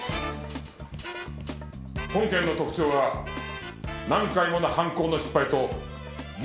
本件の特徴は何回もの犯行の失敗と偽装工作だ。